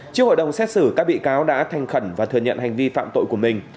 trước hội đồng xét xử các bị cáo đã thành khẩn và thừa nhận hành vi phạm tội của mình